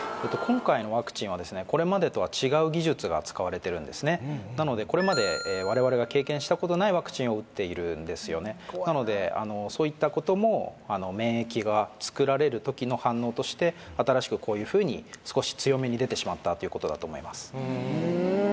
今回のワクチンはこれまでとは違う技術が使われてるんですねなのでこれまで我々が経験したことないワクチンを打っているんですなのでそういったことも免疫がつくられる時の反応として新しくこういうふうに少し強めに出てしまったということだと思います